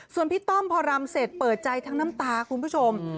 ส่วนพี่ต้อมพอรำเสร็จเปิดใจทั้งน้ำตาคุณผู้ชม